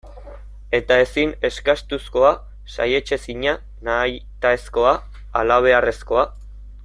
Eta ezin eskastuzkoa, saihetsezina, nahitaezkoa, halabeharrezkoa.